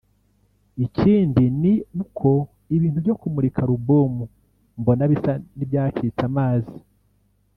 Ikindi ni uko ibintu byo kumurika album mbona bisa n’ibyacitse amazi